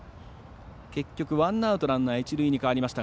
結局、ワンアウトランナー、一塁に変わりました。